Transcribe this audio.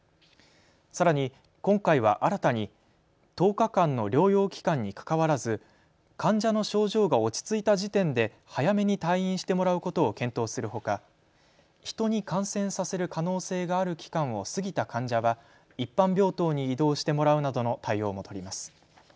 さらに、今回は新たに１０日間の療養期間にかかわらず患者の症状が落ち着いた時点で早めに退院してもらうことを検討するほか人に感染ささせる可能性がある期間を過ぎた患者は一般病棟に移動してもらうなどの対応も取ります。